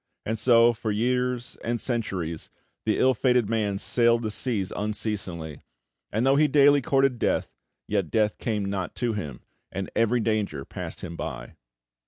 And so, for years and centuries, the ill fated man sailed the seas unceasingly, and though he daily courted death, yet death came not to him, and every danger passed him by.